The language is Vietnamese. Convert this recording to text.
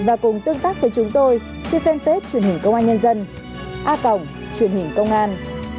a cổng truyện hình công an